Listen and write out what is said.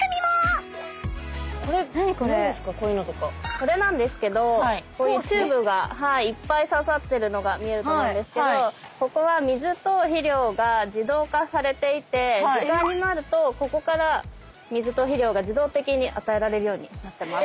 これなんですけどこういうチューブがいっぱい刺さってるのが見えると思うんですけどここは水と肥料が自動化されていて時間になるとここから水と肥料が自動的に与えられるようになってます。